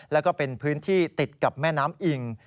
แล้วก็เป็นพื้นที่ติดกับแม่น้ำอิง